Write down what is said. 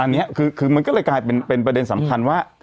อันนี้คือมันก็เลยกลายเป็นประเด็นสำคัญว่า